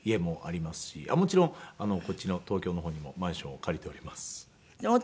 もちろんこっちの東京の方にもマンションを借りております。